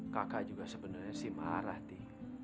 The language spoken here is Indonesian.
kakak juga sebenernya sih marah ti